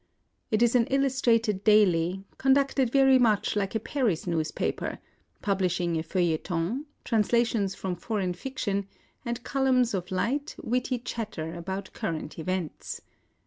It is an illustrated daily, conducted very much like a Paris newspaper, — publishing a feuilleton^ translations from foreign fiction, and columns of light, witty chatter about current events.